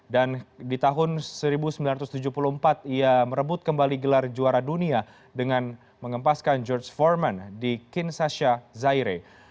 dan di tahun seribu sembilan ratus tujuh puluh empat ia merebut kembali gelar juara dunia dengan mengempaskan george foreman di kinshasa zaire